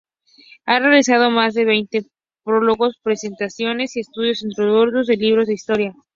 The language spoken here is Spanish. Ha realizado más de veinte prólogos, presentaciones y estudios introductorios de libros de historia.